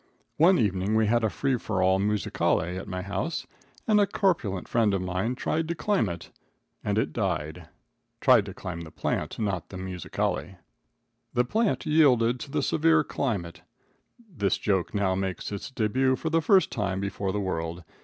One evening we had a free for all musicale at my house, and a corpulent friend of mine tried to climb it, and it died. (Tried to climb the plant, not the musicale.) The plant yielded to the severe climb it. This joke now makes its debut for the first time before the world.